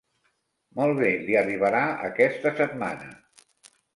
Molt bé, li arribarà aquesta setmana.